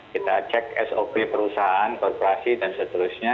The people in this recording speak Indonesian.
kita cek sop perusahaan korporasi dan seterusnya